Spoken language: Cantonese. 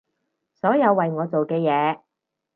所有為我做嘅嘢